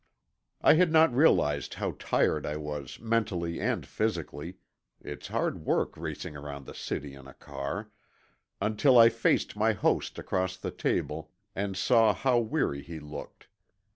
I had not realized how tired I was mentally and physically (it's hard work racing around the city in a car) until I faced my host across the table, and saw how weary he looked.